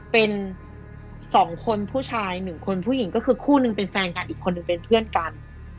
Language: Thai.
เป็น๒คนผู้ชาย๑คนผู้หญิงก็คือคู่หนึ่งเป็นแฟนกันอีกคนนึงเป็นเพื่อนกัน